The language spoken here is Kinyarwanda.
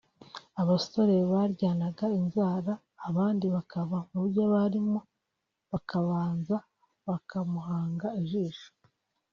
abasore baryanaga inzara abandi bakava mu byo barimo bakabanza bakamuhanga ijisho